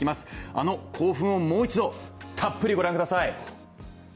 あの興奮をもう一度たっぷりご覧ください。